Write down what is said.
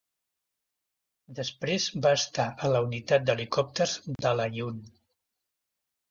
Després va estar a la Unitat d'Helicòpters d'Al-Aaiun.